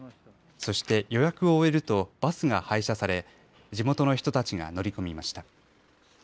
そして予約を終えるとバスが配車され地元の人たちが乗り込みました。